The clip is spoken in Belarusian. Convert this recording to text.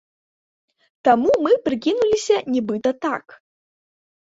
Таму мы прыкінуліся, нібыта, так!